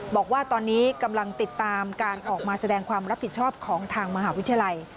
บอกว่าตอนนี้กำลังติดตามการออกมาแสดงความรับผิดชอบของทางมหาวิทยาลัย